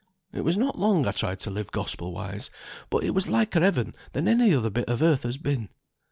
"It was not long I tried to live Gospel wise, but it was liker heaven than any other bit of earth has been.